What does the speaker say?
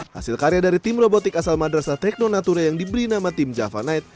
hasil karya dari tim robotik asal madrasah tekno natuna yang diberi nama tim java night